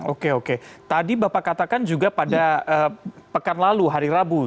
oke oke tadi bapak katakan juga pada pekan lalu hari rabu